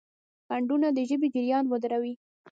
خنډونه د ژبې جریان ودروي.